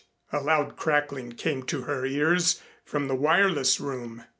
A loud crackling came to her ears from the wireless room.